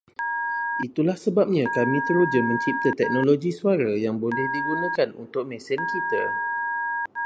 Itulah sebabnya kami teruja mencipta teknologi suara yang boleh digunakan untuk mesin kita